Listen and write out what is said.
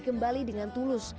kembali dengan tulus